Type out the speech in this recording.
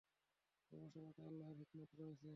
অবশ্য তাতে আল্লাহর হিকমত রয়েছে।